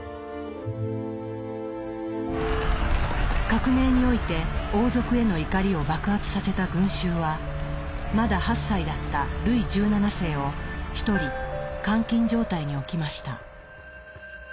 革命において王族への怒りを爆発させた群衆はまだ８歳だったルイ１７世を一人監禁状態に置きました。